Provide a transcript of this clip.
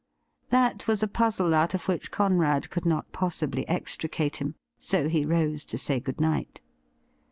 That was a puzzle out of which Conrad could not possibly extricate him. So he rose to say good night.